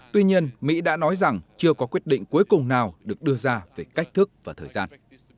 tuy nhiên mỹ đã nói rằng chưa có quyết định cuối cùng nào được đưa ra về cách thức và thời gian